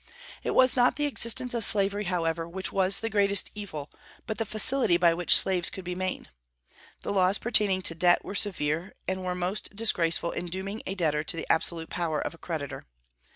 It was not the existence of slavery, however, which was the greatest evil, but the facility by which slaves could be made. The laws pertaining to debt were severe, and were most disgraceful in dooming a debtor to the absolute power of a creditor.